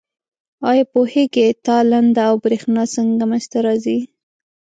آیا پوهیږئ تالنده او برېښنا څنګه منځ ته راځي؟